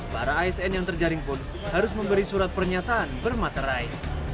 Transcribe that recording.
para asn yang terjaring pun harus memberi surat pernyataan bermaterai